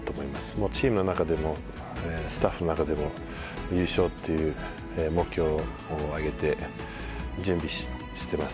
もうチームの中でも、スタッフの中でも、優勝という目標を挙げて、準備してます。